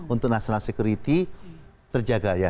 untuk national security terjaga ya